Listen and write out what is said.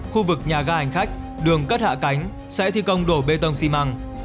khu vực nhà ga hành khách đường cất hạ cánh sẽ thi công đổ bê tông xi măng